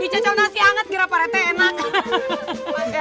dicocok nasi hangat kira pak rete enak